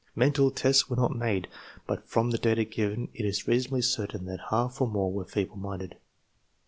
Mental tests were not made, but from the data given it is reasonably certain Uiat half or more were feeble minded.